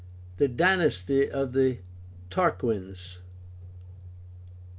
THE DYNASTY OF THE TARQUINS.